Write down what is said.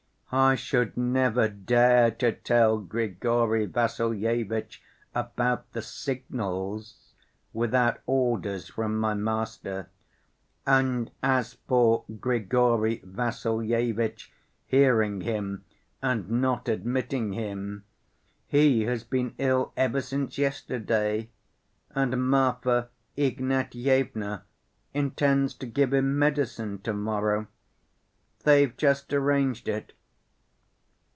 "I should never dare to tell Grigory Vassilyevitch about the signals without orders from my master. And as for Grigory Vassilyevitch hearing him and not admitting him, he has been ill ever since yesterday, and Marfa Ignatyevna intends to give him medicine to‐morrow. They've just arranged it.